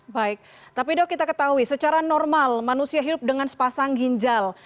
baik tapi dok kita ketahui secara normal manusia hidup dengan sepasang ginjal